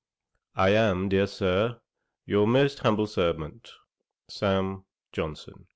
'I am, dear Sir, 'Your most humble servant, 'SAM. JOHNSON.'